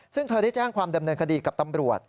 ซึ่งเธอได้แจ้งความดำเนินคดีกับตำรวจ